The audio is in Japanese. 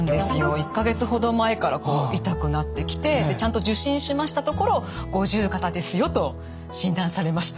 １か月ほど前から痛くなってきてちゃんと受診しましたところ五十肩ですよと診断されました。